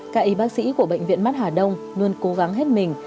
các y bác sĩ của bệnh viện mắt hà đông luôn cố gắng hết mình